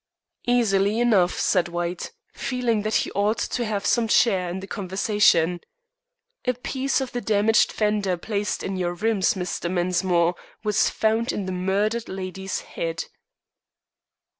"Easily enough," said White, feeling that he ought to have some share in the conversation. "A piece of the damaged fender placed in your rooms, Mr. Mensmore, was found in the murdered lady's head."